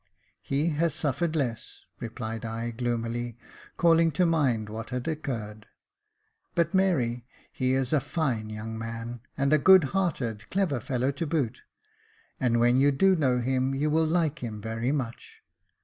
"He has suffered less," replied I, gloomily, calling to mind what had occurred ;" but, Mary, he is a fine young man, and a good hearted clever fellow to boot ; and when you do know him, you will like him very much."